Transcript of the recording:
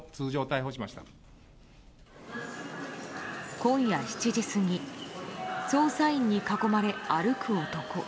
今夜７時過ぎ捜査員に囲まれ、歩く男。